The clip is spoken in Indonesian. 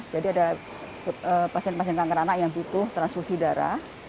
jadi ada pasien pasien kanker anak yang butuh transfusi darah